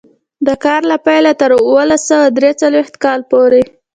د کار له پیله تر اوولس سوه درې څلوېښت کاله پورې.